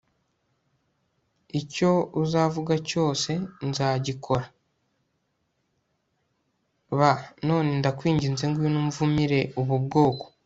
icyo uzavuga cyose nzagikora b None ndakwinginze ngwino umvumire ubu bwoko